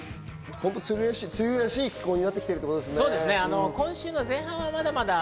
梅雨らしい気候になってきてるということですね。